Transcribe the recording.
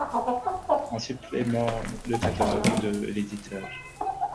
En supplément le catalogue de l'éditeur.